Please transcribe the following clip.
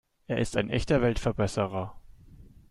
Er ist ein echter Weltverbesserer.